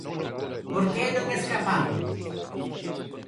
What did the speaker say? por que non escapamos?